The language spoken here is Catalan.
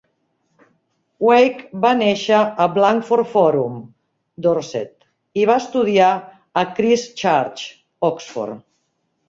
Wake va néixer a Blandford Forum, Dorset, i va estudiar a Christ Church, Oxford.